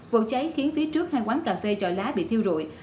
vụ cháy khiến phía trước hai quán cà phê trò lá bị thiêu rụi